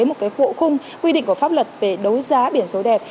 một bộ khung quy định của pháp luật về đấu giá biển số đẹp